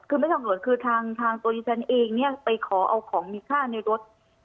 คือไม่ต้องหล่นคือทางตัวดิฉันเองเนี่ยไปขอเอาของมีค่าในรถ